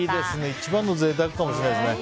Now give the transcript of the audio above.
一番の贅沢かもしれないですね。